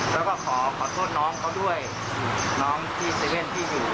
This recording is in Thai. แล้วก็ขอขอโทษน้องเขาด้วยน้องที่๗๑๑ที่อยู่